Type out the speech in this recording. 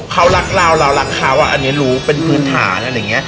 เขารักเราเรารักเขาอันนี้รู้เป็นพื้นฐานอะไรอย่างนี้